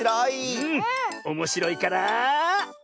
おもしろいから？